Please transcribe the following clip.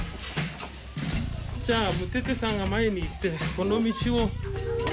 じゃあムテテさんが前に行ってこの道を。